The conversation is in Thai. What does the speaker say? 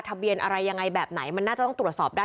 ทะเบียนอะไรยังไงแบบไหนมันน่าจะต้องตรวจสอบได้